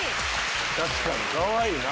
確かにかわいいな。